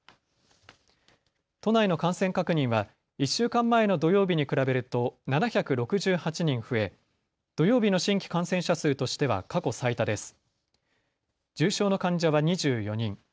都内の感染確認は１週間前の土曜日に比べると７６８人増え土曜日の新規感染者数としては過去最多です。